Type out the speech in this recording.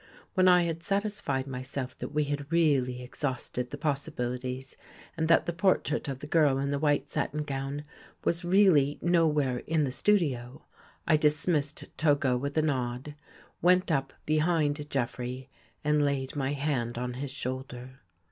When I had satisfied my self that we had really exhausted the possibilities and that the portrait of the girl in the white satin gown was really nowhere in the studio, I dismissed Togo with a nod, went up behind Jeffrey and laid my hand on his shoulder.